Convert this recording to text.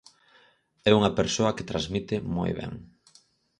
É unha persoa que transmite moi ben.